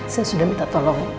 saya sudah minta tolong